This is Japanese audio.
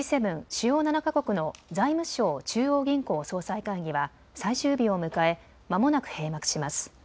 ・主要７か国の財務相・中央銀行総裁会議は最終日を迎えまもなく閉幕します。